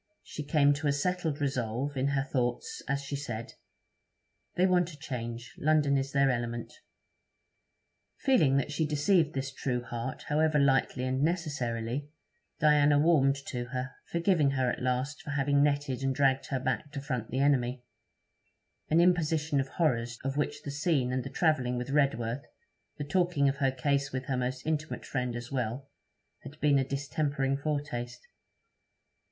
She came to a settled resolve in her thoughts, as she said, 'They want a change. London is their element.' Feeling that she deceived this true heart, however lightly and necessarily, Diana warmed to her, forgiving her at last for having netted and dragged her back to front the enemy; an imposition of horrors, of which the scene and the travelling with Redworth, the talking of her case with her most intimate friend as well, had been a distempering foretaste.